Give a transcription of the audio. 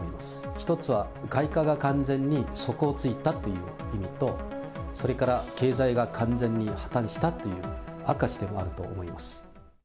１つは、外貨が完全に底をついたっていう意味と、それから経済が完全に破綻したという証しでもあると思います。